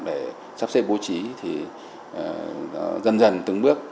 để sắp xếp bố trí thì dần dần từng bước